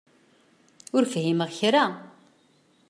Ur fhimeɣ kra.